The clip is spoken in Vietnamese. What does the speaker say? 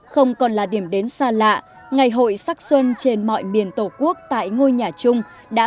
không còn là điểm đến xa lạ ngày hội sắc xuân trên mọi miền tổ quốc tại ngôi nhà chung đã